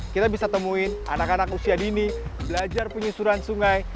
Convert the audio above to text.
kita bisa temuin anak anak usia dini belajar penyusuran sungai